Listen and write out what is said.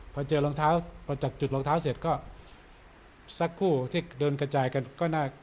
พอเจอรองเท้าพอจากจุดรองเท้าเสร็จก็สักคู่ที่เดินกระจายกันก็น่า